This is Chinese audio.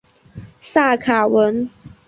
萨卡文。